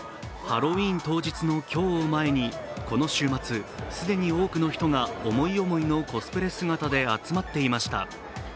ハロウィーン当日の今日を前にこの週末、既に多くの人が思い思いのコスプレ姿で集まっていました。